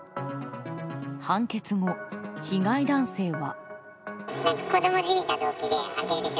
判決後、被害男性は。